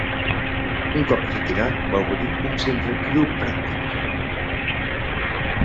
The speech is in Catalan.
Un cop retirat, va obrir un centre quiropràctic.